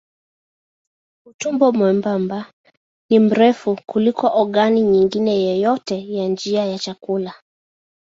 Utumbo mwembamba ni mrefu kuliko ogani nyingine yoyote ya njia ya chakula.